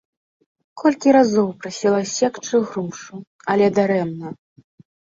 Колькі разоў прасіла ссекчы грушу, але дарэмна.